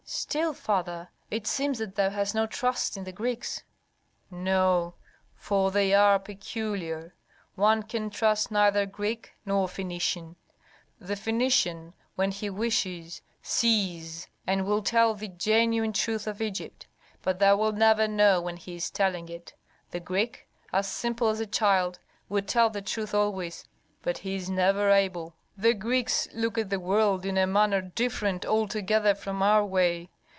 "Still, father, it seems that thou hast no trust in the Greeks." "No, for they are peculiar; one can trust neither Greek nor Phœnician. The Phœnician, when he wishes, sees and will tell thee genuine truth of Egypt, but thou wilt never know when he is telling it. The Greek, as simple as a child, would tell the truth always, but he is never able. "The Greeks look at the world in a manner different altogether from our way.